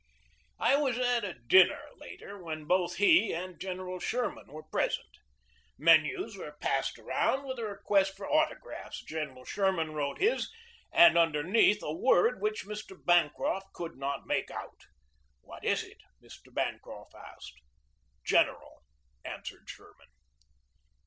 I was at a dinner later when both he and General Sherman were present. Menus were passed around with a request for autographs. General Sherman BUILDING THE NEW NAVY 153 wrote his and underneath a word which Mr. Ban croft could not make out. "What is it?" Mr. Bancroft asked. "General," answered Sherman.